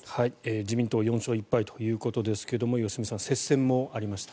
自民党４勝１敗ということですが良純さん、接戦もありました。